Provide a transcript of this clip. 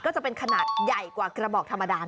ก็จะเป็นขนาดใหญ่กว่ากระบอกธรรมดา